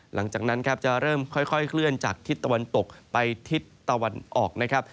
หลังจากนั้นครับจะเริ่มค่อยเคลื่อนจากทิศตะวันตกไปทิศตะวันออกนะครับ